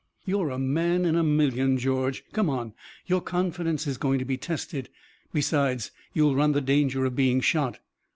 "You're a man in a million, George. Come on, your confidence is going to be tested. Besides, you'll run the danger of being shot."